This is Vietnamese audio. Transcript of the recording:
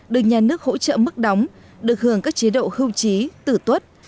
được nhà nước hỗ trợ mức đóng được hưởng các chế độ hưu trí tử tuất